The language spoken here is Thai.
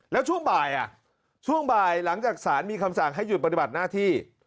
แล้วช่วงบ่ายช่วงบ่ายหลังจากสารมีคำสั่งให้หยุดปฏิบัติหน้าที่